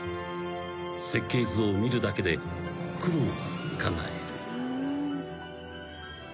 ［設計図を見るだけで苦労がうかがえる］